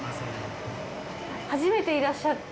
初めていらっしゃって。